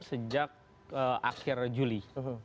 sejak akhir juni